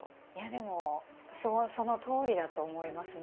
でもそのとおりだと思いますね。